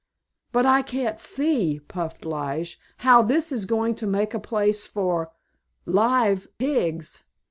"But I can't see," puffed Lige, "how this is going to make a place for live pigs.